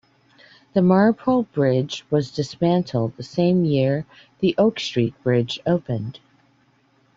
The Marpole Bridge was dismantled the same year the Oak Street Bridge opened.